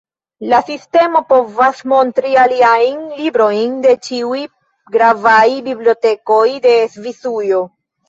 La sistemo povas montri aliajn librojn de ĉiuj gravaj bibliotekoj de Svisujo.